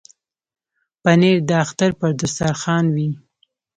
پنېر د اختر پر دسترخوان وي.